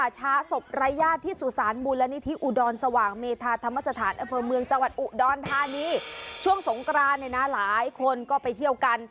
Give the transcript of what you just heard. ช่วงสงกรานเนี่ยนะหลายคนก็ไปเที่ยวกัน